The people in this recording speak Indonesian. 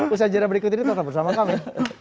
usaha jadwal berikut ini tetap bersama kami